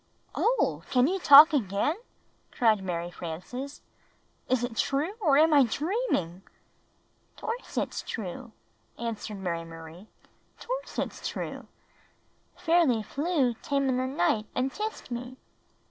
"Oh, can you talk again?" cried Mary Frances. "Is it true, or am I dreaming?" " 'Torse it's true," answered Mary Marie. " 'Torse it's true. Fairly Flew tame in the night and tissed[me."